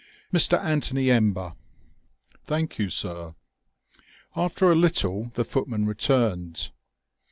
"Mr. Anthony Ember." "Thank you, sir." After a little the footman returned.